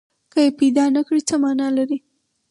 که یې پیدا نه کړي، څه معنی لري؟